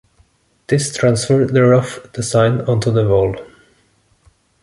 This transfers the rough design onto the wall.